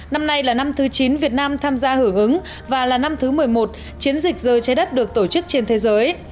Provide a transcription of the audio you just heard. năm nay là năm thứ chín việt nam tham gia hưởng ứng và là năm thứ một mươi một chiến dịch giờ trái đất được tổ chức trên thế giới